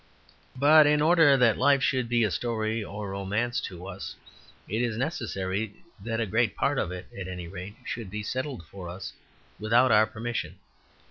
But in order that life should be a story or romance to us, it is necessary that a great part of it, at any rate, should be settled for us without our permission.